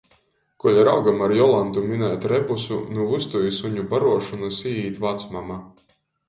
Kuoļ raugom ar Jolantu minēt rebusu, nu vystu i suņu baruošonys īīt vacmama.